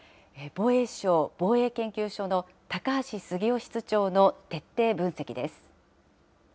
防衛省防衛研究所の高橋杉雄室長の徹底分析です。